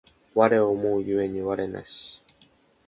我思う故に我なし